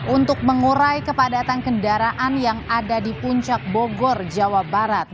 untuk mengurai kepadatan kendaraan yang ada di puncak bogor jawa barat